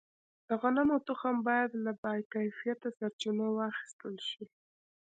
د غنمو تخم باید له باکیفیته سرچینو واخیستل شي.